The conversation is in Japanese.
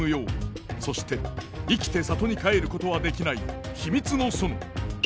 そして生きて郷に帰ることはできない秘密の園。